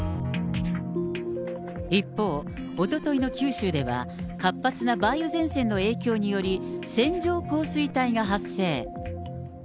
一方、おとといの九州では、活発な梅雨前線の影響により、線状降水帯が発生。